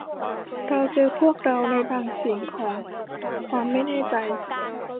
เราเจอพวกเราในบางสิ่งของความไม่แน่ใจ